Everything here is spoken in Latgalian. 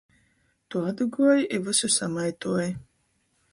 Tu atguoji i vysu samaituoji